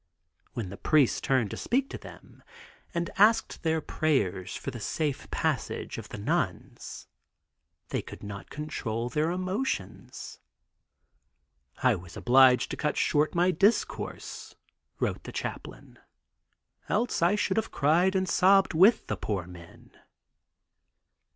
When the priest turned to speak to them and asked their prayers for the safe passage of the nuns they could not control their emotion. "I was obliged to cut short my discourse," wrote the chaplain, "else I should have cried and sobbed with my poor men."